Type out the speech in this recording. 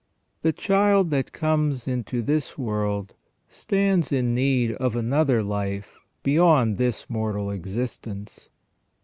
The child that comes into this world stands in need of another life beyond this mortal existence.